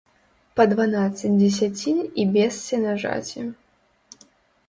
Па дванаццаць дзесяцін і без сенажаці.